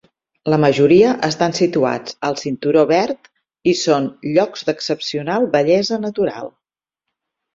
La majoria estan situats al cinturó verd i són "llocs d'excepcional bellesa natural".